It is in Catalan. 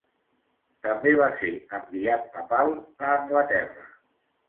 També va ser enviat papal a Anglaterra.